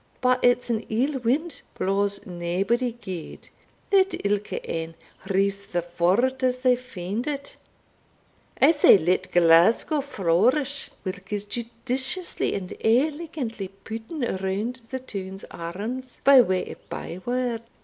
But it's an ill wind blaws naebody gude Let ilka ane roose the ford as they find it I say let Glasgow flourish! whilk is judiciously and elegantly putten round the town's arms, by way of by word.